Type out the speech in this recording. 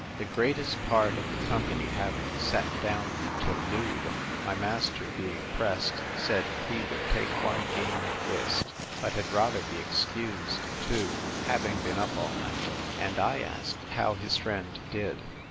The greatest part of the company having sat down to loo, my master being pressed, said he would take one game at whist; but had rather be excused too, having been up all night: and I asked how his friend did?